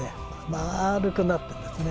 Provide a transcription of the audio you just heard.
まるくなってですね